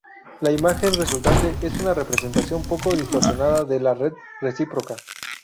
La imagen resultante es una representación poco distorsionada de la red recíproca.